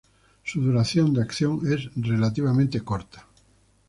Su duración de acción es relativamente corta.